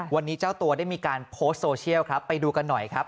วันนี้เจ้าตัวได้มีการโพสต์โซเชียลครับไปดูกันหน่อยครับ